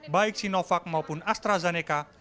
baik sinovac maupun astrazeneca